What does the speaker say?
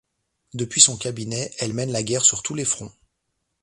Depuis son cabinet, elle mène la guerre sur tous les fronts.